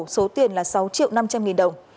số tiền là sáu triệu năm trăm linh nghìn đồng